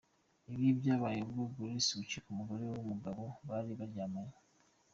Ibi byabaye ubwo Grisly gucika umugore w’umugabo bari baryamanye.